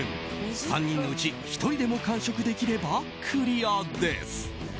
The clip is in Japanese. ３人のうち１人でも完食できればクリアです。